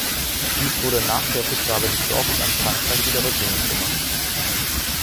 Dies wurde nach der Rückgabe des Dorfes an Frankreich wieder rückgängig gemacht.